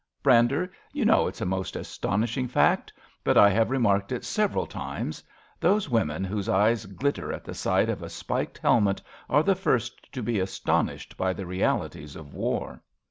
Brander, you know it's a most aston ishing fact; but I have remarked it several times. Those women whose eyes glitter at the sight of a spiked helmet are the first to be astonished by the realities of war.